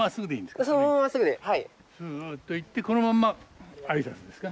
すっと行ってこのまんま挨拶ですか？